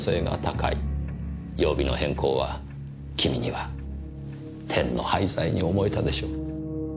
曜日の変更は君には天の配剤に思えたでしょう。